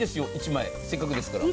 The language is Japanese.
１枚せっかくですから。